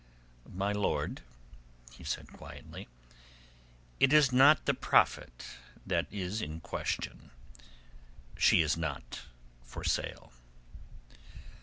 "My lord," he said quietly, "it is not the profit that is in question. She is not for sale."